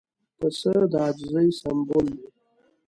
پسه د عاجزۍ سمبول دی.